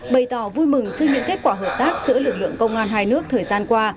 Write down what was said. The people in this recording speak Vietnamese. bày tỏ vui mừng trước những kết quả hợp tác giữa lực lượng công an hai nước thời gian qua